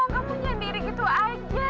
kamu jangan diri gitu aja